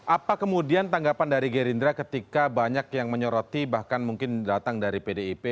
apa kemudian tanggapan dari gerindra ketika banyak yang menyoroti bahkan mungkin datang dari pdip